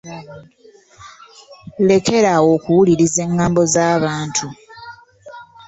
Lekera awo okuwuliriza engambo z'abantu.